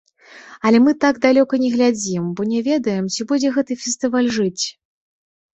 Але мы так далёка не глядзім, бо не ведаем ці будзе гэты фестываль жыць.